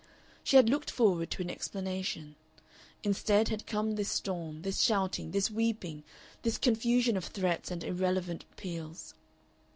She had looked forward to an explanation. Instead had come this storm, this shouting, this weeping, this confusion of threats and irrelevant appeals.